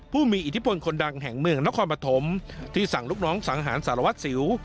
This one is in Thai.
ผู้มีอิทธิพลคนดังแห่งเมืองนครปฐมที่สั่งลูกน้องสังหารสารวัตรสิว